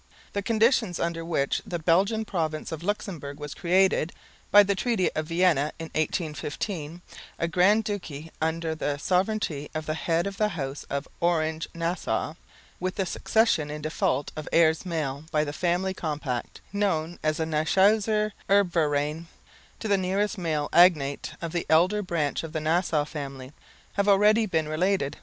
The conditions under which the Belgian province of Luxemburg was created, by the Treaty of Vienna in 1815, a grand duchy under the sovereignty of the head of the House of Orange Nassau with succession in default of heirs male by the family compact, known as the Nassauischer Erbverein, to the nearest male agnate of the elder branch of the Nassau family, have already been related.